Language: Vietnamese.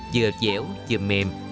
vừa dẻo vừa mềm